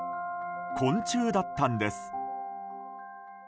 昆虫だったんです。